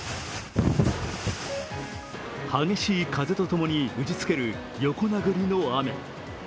激しい風とともに打ちつける横殴りの雨。